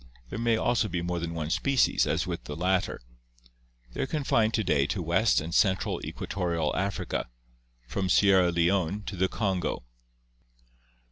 There may also be more than one species as with the latter. They are con fined to day to west and central equatorial Africa, from Sierra Leone to the Kongo.